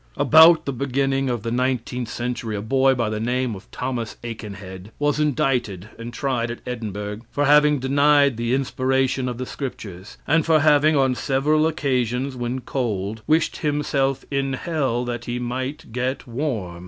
About the beginning of the nineteenth century a boy by the name of Thomas Aikenhead was indicted and tried at Edinburgh for having denied the inspiration of the scriptures, and for having, on several occasions, when cold, wished himself in hell that he might get warm.